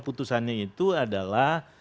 putusannya itu adalah